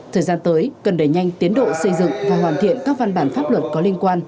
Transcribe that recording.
thời gian tới cần đẩy nhanh tiến độ xây dựng và hoàn thiện các văn bản pháp luật có liên quan